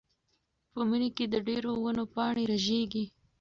په مني کې د ډېرو ونو پاڼې رژېږي.